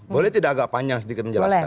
boleh tidak agak panjang sedikit menjelaskan